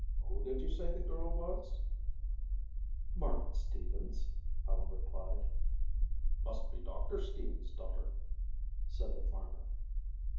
Who did you say the girl was?" "Margaret Stevens," Helen replied. "Must be Doctor Stevens' daughter," said the farmer.